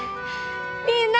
みんな！